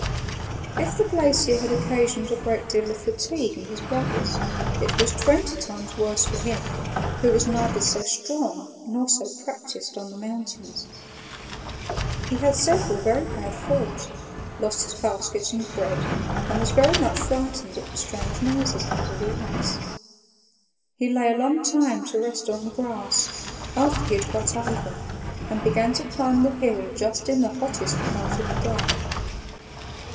If the glacier had occasioned a great deal of fatigue in his brothers, it was twenty times worse for him, who was neither so strong nor so practiced on the mountains. He had several very bad falls, lost his basket and bread, and was very much frightened at the strange noises under the ice. He lay a long time to rest on the grass, after he had got over, and began to climb the hill just in the hottest part of the day.